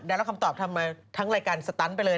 รับคำตอบทำมาทั้งรายการสตันไปเลย